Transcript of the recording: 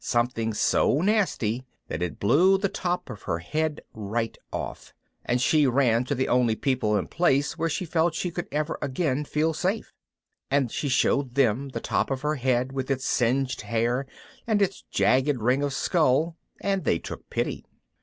Something so nasty that it blew the top of her head right off. And she ran to the only people and place where she felt she could ever again feel safe. And she showed them the top of her head with its singed hair and its jagged ring of skull and they took pity.